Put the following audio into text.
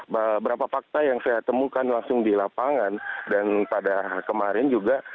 beberapa fakta yang saya temukan langsung di lapangan dan pada kemarin juga